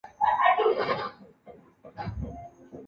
公安无人伤亡。